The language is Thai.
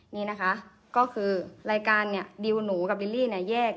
นี่นะคะก็คือรายการเนี่ยดิวหนูกับบิลลี่เนี่ยแยก